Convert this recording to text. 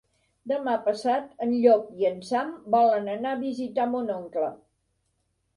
Demà passat en Llop i en Sam volen anar a visitar mon oncle.